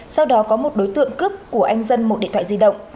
sau đó có một đối tượng cướp của anh dân một điện thoại di động